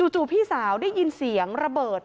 จู่พี่สาวได้ยินเสียงระเบิด